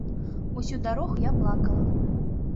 Усю дарогу я плакала.